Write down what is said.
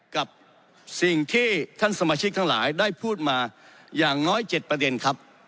กับสิ่งที่ท่านสมาชิกทั้งหลายได้พูดมาอย่างน้อย๗ประเด็นครับ